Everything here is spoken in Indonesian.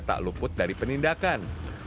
tak luput dari penindakan